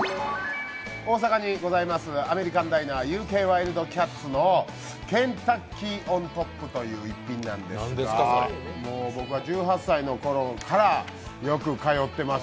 大阪にございますアメリカンダイナーＵ．ＫＷｉｌｄｃａｔｓのケンタッキーＯｎＴｏｐという逸品なんですが、僕は１８歳のころからよく通っています。